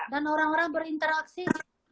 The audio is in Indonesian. dan orang orang berinteraksi